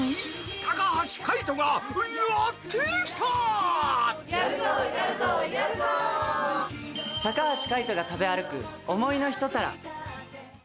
高橋海人が食べ歩く、想いの一皿。